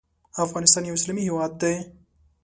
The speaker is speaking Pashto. افغانستان یو اسلامی هیواد دی .